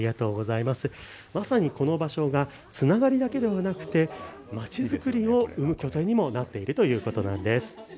まさにこの場所がつながるだけではなく、まちづくりを生む拠点にもなっているということなんです。